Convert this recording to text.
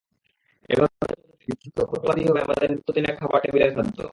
এভাবে চলতে থাকলে বিষযুক্ত ফলফলাদিই হবে আমাদের নিত্যদিনের খাবার টেবিলের খাদ্য।